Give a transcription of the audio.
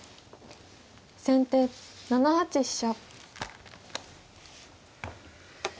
先手７八飛車。